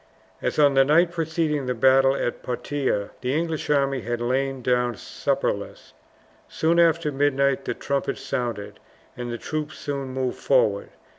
As on the night preceding the battle of Poitiers, the English army had lain down supperless. Soon after midnight the trumpets sounded, and the troops soon moved forward.